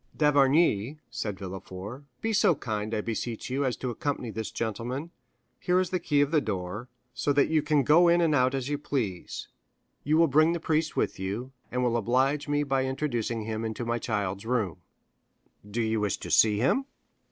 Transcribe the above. "D'Avrigny," said Villefort, "be so kind, I beseech you, as to accompany this gentleman. Here is the key of the door, so that you can go in and out as you please; you will bring the priest with you, and will oblige me by introducing him into my child's room." 50101m "Do you wish to see him?"